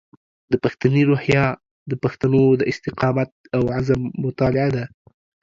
د پښتني روحیه د پښتنو د استقامت او عزم مطالعه ده.